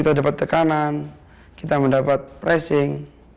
kita dapat tekanan kita mendapat pressing